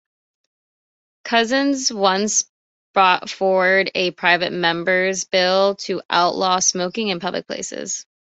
Cousens once brought forward a private member's bill to outlaw smoking in public places.